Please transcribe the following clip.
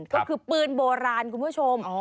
ก็คือปืนโบราณคุณผู้ชม